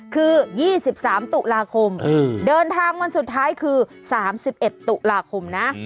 คือ๒๓ตุลาคมเดินทางวันสุดท้ายคือ๓๑ตุลาคมนะ